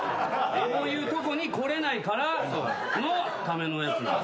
こういうとこに来れないからのためのやつ。